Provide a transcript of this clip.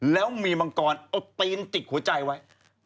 แล้วมีมังกรเอาตีนจิกหัวใจไว้